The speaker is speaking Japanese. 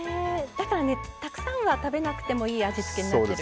だからねたくさんは食べなくてもいい味付けになってるんですね。